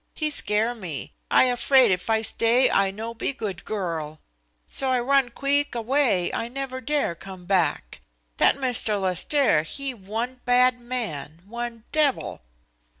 He scare me. I afraid if I stay I no be good girl. So I run queeck away. I never dare come bade. That Mr. Lestaire he one bad man, one devil."